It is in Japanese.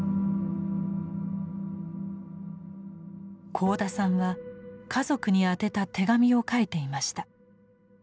幸田さんは家族に宛てた手紙を書いていました。